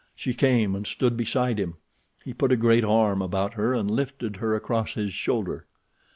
She came and stood beside him. He put a great arm about her and lifted her across his shoulder.